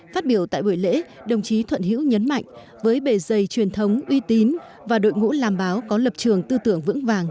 phát biểu tại buổi lễ đồng chí thuận hiễu nhấn mạnh với bề dày truyền thống uy tín và đội ngũ làm báo có lập trường tư tưởng vững vàng